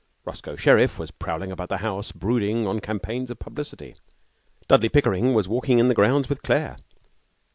Roscoe Sherriff was prowling about the house, brooding on campaigns of publicity. Dudley Pickering was walking in the grounds with Claire.